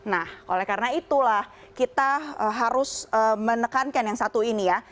nah oleh karena itulah kita harus menekankan yang satu ini ya